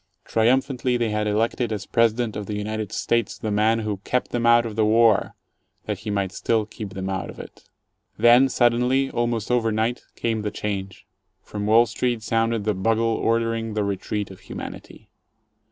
Triumphantly they had elected as President of the United States the man who "kept them out of the war" that he might still keep them out of it. Then suddenly, almost over night, came the change. From Wall Street sounded the bugle ordering the retreat of Humanity.